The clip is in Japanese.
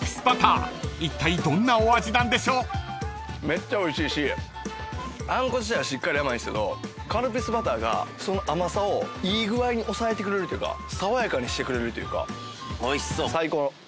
めっちゃおいしいしあんこ自体はしっかり甘いんですけどカルピスバターがその甘さをいい具合に抑えてくれるというか爽やかにしてくれるというか。